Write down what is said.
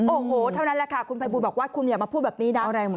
โอ้โหเท่านั้นแหละค่ะคุณภัยบูลบอกว่าคุณอย่ามาพูดแบบนี้นะ